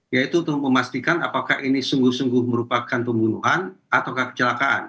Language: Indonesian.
yaitu untuk memastikan apakah ini sungguh sungguh merupakan pembunuhan atau kecelakaan